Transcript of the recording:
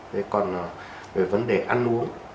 đấy còn về vấn đề ăn uống